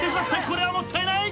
これはもったいない。